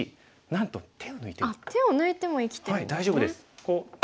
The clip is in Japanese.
あっ手を抜いても生きてるんですね。